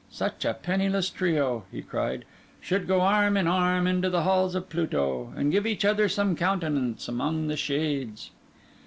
Such a penniless trio," he cried, "should go arm in arm into the halls of Pluto, and give each other some countenance among the shades!"